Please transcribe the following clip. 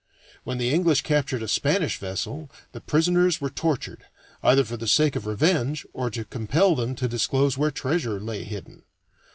When the English captured a Spanish vessel the prisoners were tortured, either for the sake of revenge or to compel them to disclose where treasure lay hidden.